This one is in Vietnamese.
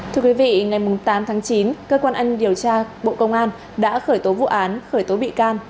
thưa quý vị ngày tám tháng chín cơ quan anh điều tra bộ công an đã khởi tố vụ án khởi tố bị can